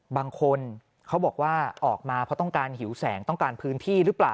บางคนเขาบอกว่าออกมาเพราะต้องการหิวแสงต้องการพื้นที่หรือเปล่า